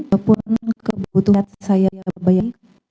apapun kebutuhan saya membayar